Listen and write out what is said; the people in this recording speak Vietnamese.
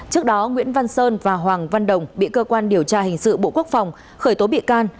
trước đó nguyễn văn sơn và hoàng văn đồng bị cơ quan điều tra hình sự bộ quốc phòng khởi tố bị can